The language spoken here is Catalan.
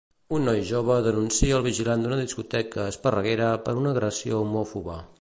Un noi jove denuncia el vigilant d'una discoteca a Esparreguera per una agressió homòfoba.